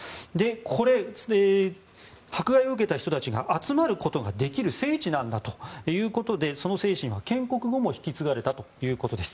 これ、迫害を受けた人たちが集まることができる聖地なんだということでその精神は建国後も引き継がれたということです。